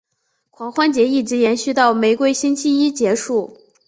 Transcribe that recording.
狂欢节一直延续到玫瑰星期一结束。